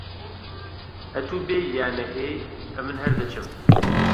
ئەتوو بێی یان نەهێی، ئەمن هەر دەچم.